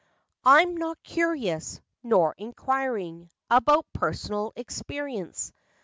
"I'm not curious, nor inquiring About personal experience.